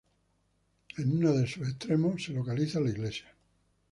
En uno de sus extremos se localiza la iglesia.